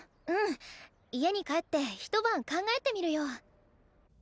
うん家に帰って一晩考えてみるよ。